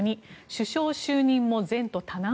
首相就任も前途多難？